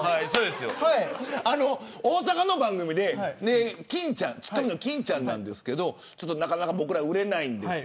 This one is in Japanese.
大阪の番組でツッコミのきんちゃんなんですがなかなか僕ら売れないんです。